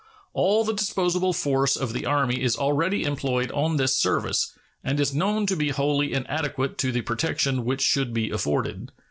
All the disposable force of the Army is already employed on this service, and is known to be wholly inadequate to the protection which should be afforded.